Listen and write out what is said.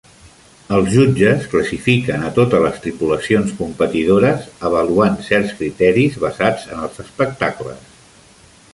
Els jutges classifiquen a totes les tripulacions competidores avaluant certs criteris basats en els espectacles.